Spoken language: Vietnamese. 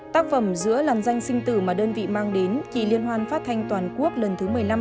tác phẩm giữa làn danh sinh tử mà đơn vị mang đến kỳ liên hoan phát thanh toàn quốc lần thứ một mươi năm